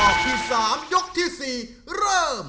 ที่๓ยกที่๔เริ่ม